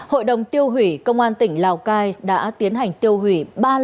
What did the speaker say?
hội đồng tiêu hủy công an tỉnh lào cai đã tiến hành tiêu hủy ba lần